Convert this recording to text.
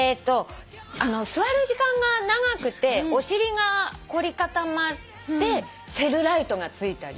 座る時間が長くてお尻が凝り固まってセルライトがついたり。